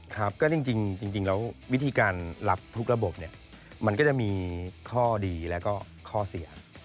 ครับก็จริงแล้ววิธีการรับทุกระบบเนี่ยมันก็จะมีข้อดีแล้วก็ข้อเสีย